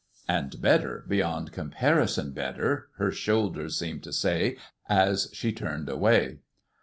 And better, beyond comparison better, her shoulders seemed to say as she turned away.